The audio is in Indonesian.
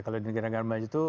kalau di negara negara maju itu